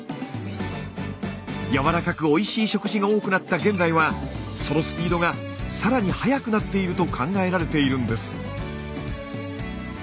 やわらかくおいしい食事が多くなった現代はそのスピードが更に速くなっていると考えられているんです。